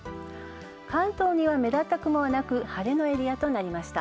関東には目立った雲はなく、晴れのエリアとなりました。